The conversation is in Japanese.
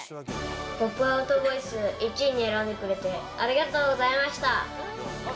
ポップアウトボイス１位に選んでくれてありがとうございました。